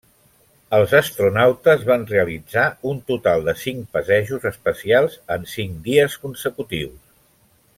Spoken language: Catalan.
Els astronautes van realitzar un total de cinc passejos espacials en cinc dies consecutius.